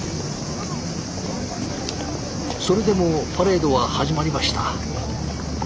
それでもパレードは始まりました。